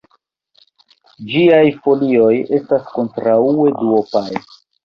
Ĝiaj folioj estas kontraŭe duopaj.